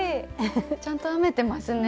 ちゃんと編めてますね。